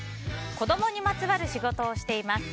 子供にまつわる仕事をしています。